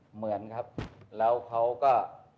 เหมือนครับแล้วเขาก็